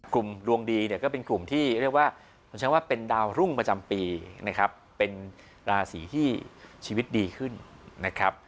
ดวงดีเนี่ยก็เป็นกลุ่มที่เรียกว่าต้องใช้ว่าเป็นดาวรุ่งประจำปีนะครับเป็นราศีที่ชีวิตดีขึ้นนะครับ